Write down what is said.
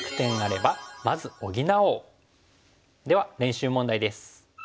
では練習問題です。